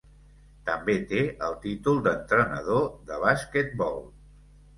També té el títol d'entrenador de basquetbol.